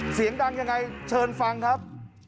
เสียงดังยังไงเชิญฟังครับ